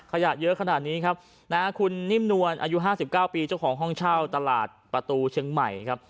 เยอะขนาดนี้ครับนะฮะคุณนิ่มนวลอายุ๕๙ปีเจ้าของห้องเช่าตลาดประตูเชียงใหม่ครับ